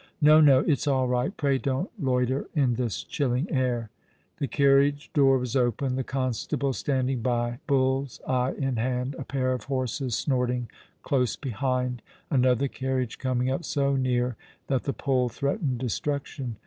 " No, no, it's all right. Pray don't loiter in this chilling air." The carriage door was open, the constable standing by, bull's eye in hand, a pair of horses snorting close behind, another carriage comijig up so near that the pole threatened destruction.